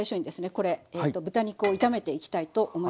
これ豚肉を炒めていきたいと思います。